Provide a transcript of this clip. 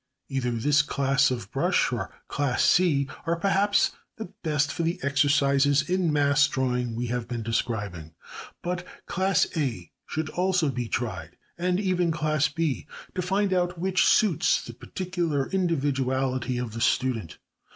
Either this class of brush or Class C are perhaps the best for the exercises in mass drawing we have been describing. But Class A should also be tried, and even Class B, to find out which suits the particular individuality of the student.